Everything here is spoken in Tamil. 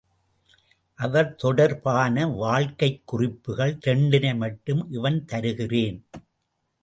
அவர் தொடர் பான வாழ்க்கைக் குறிப்புகள் இரண்டினை மட்டும் இவண் தருகிறேன்.